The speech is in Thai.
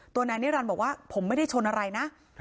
นายนิรันดิ์บอกว่าผมไม่ได้ชนอะไรนะ